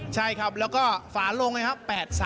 ใช่ครับแล้วก็ฝาลงไงครับ